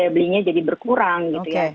belinya jadi berkurang gitu ya